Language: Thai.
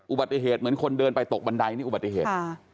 อุบัติเหตุเหมือนคนเดินไปตกบันไดนี่อุบัติเหตุ